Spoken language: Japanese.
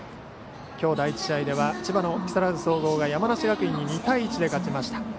今日第１試合では千葉の木更津総合が山梨学院に２対１で勝ちました。